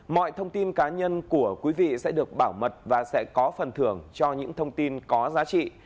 mọi thông tin cá nhân của quý vị sẽ được bảo mật và sẽ có phần thưởng cho những thông tin có giá trị